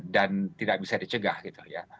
dan tidak bisa dicegah gitu ya